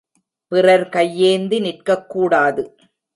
பிறர் கையேந்தி நிற்கக் கூடாது.